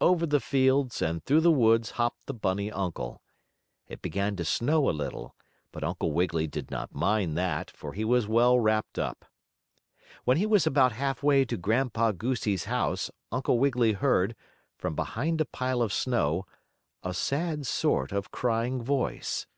Over the fields and through the woods hopped the bunny uncle. It began to snow a little, but Uncle Wiggily did not mind that, for he was well wrapped up. When he was about halfway to Grandpa Goosey's house Uncle Wiggily heard, from behind a pile of snow, a sad sort of crying voice.